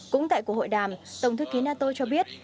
cũng tại cuộc hội đàm tổng thư ký nato cho biết